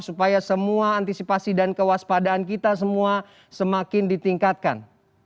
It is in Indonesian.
supaya semua antisipasi dan kewaspadaan kita semua semakin ditingkatkan